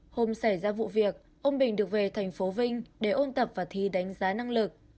hôm xảy ra vụ việc ông bình được về thành phố vinh để ôn tập và thi đánh giá năng lực